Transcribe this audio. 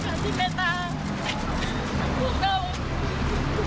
สวัสดีครับทุกคน